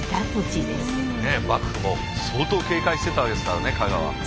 幕府も相当警戒していたわけですからね加賀は。